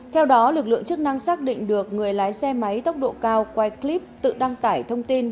theo đó lực lượng chức năng xác định được người lái xe máy tốc độ cao quay clip tự đăng tải thông tin